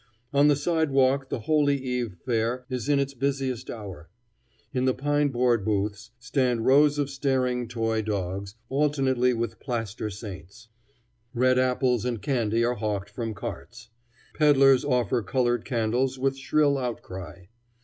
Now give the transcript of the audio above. On the sidewalk the holy eve fair is in its busiest hour. In the pine board booths stand rows of staring toy dogs alternately with plaster saints. Red apples and candy are hawked from carts. Peddlers offer colored candles with shrill outcry.